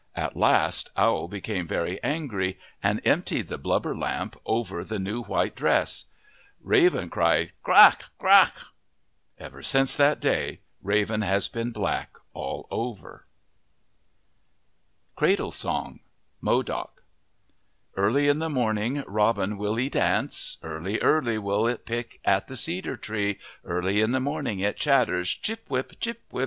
At last Owl became very angry and emptied the blubber lamp over the new white dress. Raven cried, " Qaq ! Qaq !' Ever since that day Raven has been black all over. MYTHS AND LEGENDS E CRADLE SONG Modoc ARLY in the morning robin will eat ants, Early, early will it pick at the cedar tree, Early in the morning it chatters, " Tchiwip, tchiwip, Tchitch, tsits, techitch."